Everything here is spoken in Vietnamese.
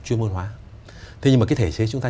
chuyên môn hóa thế nhưng mà cái thể chế chúng ta